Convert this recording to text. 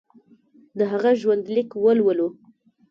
د هغه ژوندلیک ولولو.